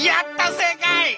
正解！